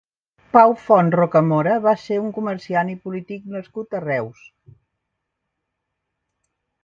Pau Font Rocamora va ser un comerciant i polític nascut a Reus.